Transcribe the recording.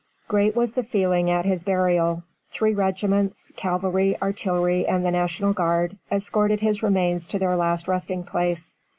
Great was the feeling at his burial. Three regiments, cavalry, artillery, and the National Guard, escorted his remains to their last resting place.